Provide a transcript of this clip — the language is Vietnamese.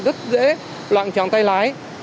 rất dễ loạn tròn tay lái